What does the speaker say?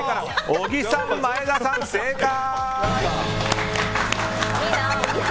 小木さん、前田さん、正解！